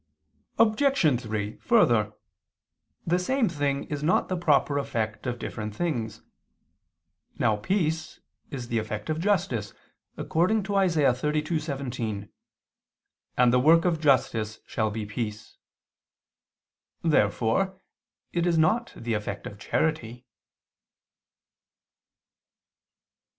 Obj. 3: Further, the same thing is not the proper effect of different things. Now peace is the effect of justice, according to Isa. 32:17: "And the work of justice shall be peace." Therefore it is not the effect of charity.